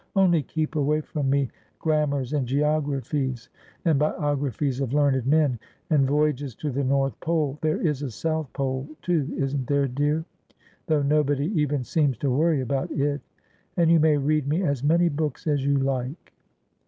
Only keep away from me gram mars, and geographies, and biographies of learned men, and voyages to the North Pole — there is a South Pole, too, isn't there, dear ? though nobody even seems to worry about it — and you may read me as many books as you like.'